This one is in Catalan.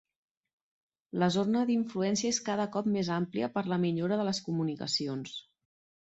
La zona d'influència és cada cop més àmplia per la millora de les comunicacions.